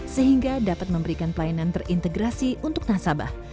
sehingga dapat memberikan pelayanan terintegrasi untuk nasabah